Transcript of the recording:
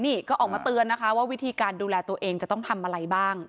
นี่ก็ออกมาเตือนนะคะว่าวิธีการดูแลตัวเองจะต้องทำอะไรบ้าง